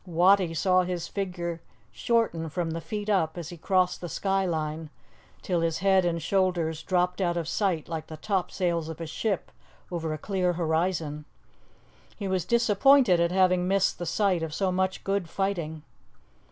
Wattie saw his figure shorten from the feet up as he crossed the sky line, till his head and shoulders dropped out of sight like the topsails of a ship over a clear horizon; he was disappointed at having missed the sight of so much good fighting.